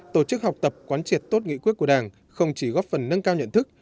tổ chức học tập quán triệt tốt nghị quyết của đảng không chỉ góp phần nâng cao nhận thức